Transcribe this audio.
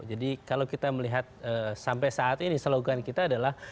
jadi kalau kita melihat sampai saat ini slogan kita adalah